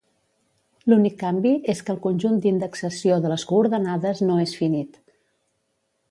L'únic canvi és que el conjunt d'indexació de les coordenades no és finit.